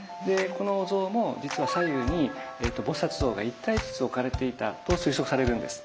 このお像も実は左右に菩像が１体ずつ置かれていたと推測されるんです。